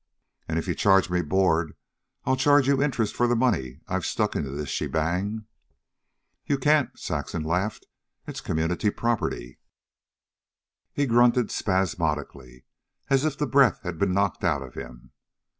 "An' if you charge me board, I'll charge you interest for the money I've stuck into this shebang." "You can't," Saxon laughed. "It's community property." He grunted spasmodically, as if the breath had been knocked out of him.